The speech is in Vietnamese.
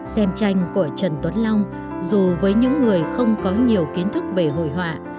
xem tranh của trần tuấn long dù với những người không có nhiều kiến thức về hội họa